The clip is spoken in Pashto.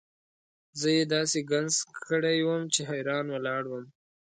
زه یې داسې ګنګس کړی وم چې حیران ولاړ وم.